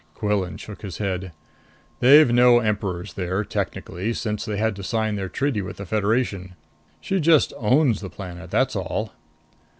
Quillan shook his head. "They've had no emperors there, technically, since they had to sign their treaty with the Federation. She just owns the planet, that's all."